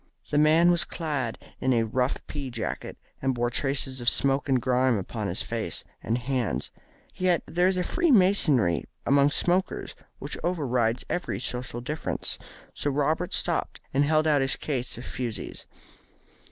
The man was clad in a rough pea jacket, and bore traces of smoke and grime upon his face and hands. Yet there is a Freemasonry among smokers which overrides every social difference, so Robert stopped and held out his case of fusees.